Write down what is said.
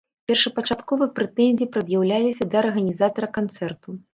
Першапачаткова прэтэнзіі прад'яўляліся да арганізатара канцэрту.